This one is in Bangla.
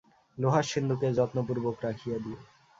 লোহার সিন্দুকে যত্নপূর্বক রাখিয়া দিয়ো।